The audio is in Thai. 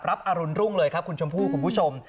อรุณรุ่งเลยครับคุณชมพู่คุณผู้ชม